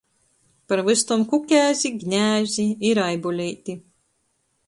Par vystom Kukēzi, Gnēzi i Raibuleiti.